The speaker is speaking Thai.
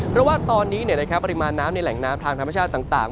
เพราะว่าตอนนี้ปริมาณน้ำในแหล่งน้ำทางธรรมชาติต่าง